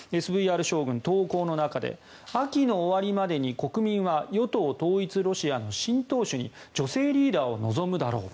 ＳＶＲ将軍、投稿の中で秋の終わりまでに国民は与党・統一ロシアの新党首に女性リーダーを望むだろう